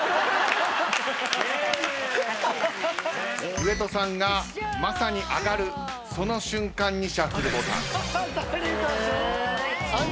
上戸さんがまさに上がるその瞬間にシャッフルボタン。